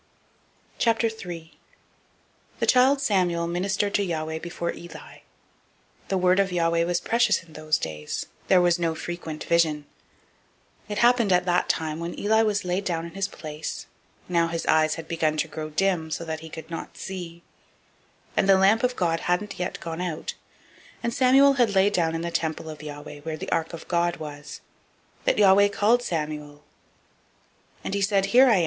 003:001 The child Samuel ministered to Yahweh before Eli. The word of Yahweh was precious in those days; there was no frequent vision. 003:002 It happened at that time, when Eli was laid down in his place (now his eyes had begun to grow dim, so that he could not see), 003:003 and the lamp of God hadn't yet gone out, and Samuel had laid down [to sleep], in the temple of Yahweh, where the ark of God was; 003:004 that Yahweh called Samuel; and he said, Here am I.